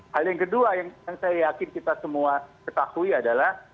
hal yang kedua yang saya yakin kita semua ketahui adalah